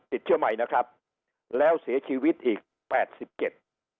ติดเชื้อใหม่นะครับแล้วเสียชีวิตอีกแปดสิบเจ็ด